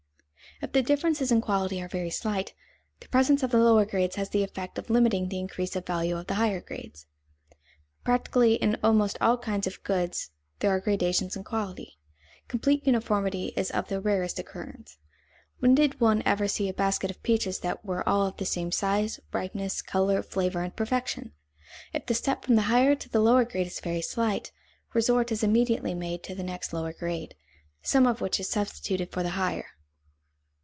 If the differences in quality are very slight, the presence of the lower grades has the effect of limiting the increase of value of the higher grades. Practically in almost all kinds of goods there are gradations in quality. Complete uniformity is of the rarest occurrence. When did one ever see a basket of peaches that were all of the same size, ripeness, color, flavor, and perfection? If the step from the higher to the lower grade is very slight, resort is immediately made to the next lower grade, some of which is substituted for the higher.